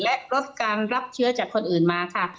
และลดการรับเชื้อจากคนอื่นมาค่ะ